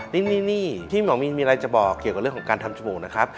นี่นี่นี่นี่ถ้ามิมีอะไรจะบอกเกี่ยวกับเรื่องทำจมูกนะครับ